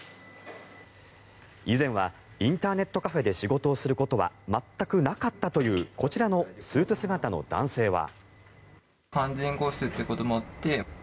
以前はインターネットカフェで仕事をすることは全くなかったというこちらのスーツ姿の男性は。